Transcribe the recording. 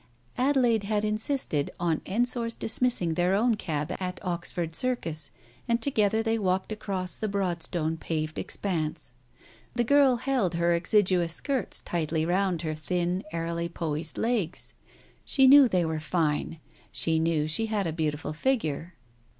Adelaide had insisted on Ensor's dismiss ing their own cab at Oxford Circus, and together they walked across the broad stone paved expanse. The girl held her exiguous skirts tightly round her thin, airily Digitized by Google 248 TALES OF THE UNEASY poised legs. She knew they were fine, she knew she had a beautiful figure.